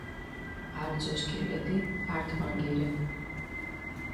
არძო სქილედი ართმანგი რე.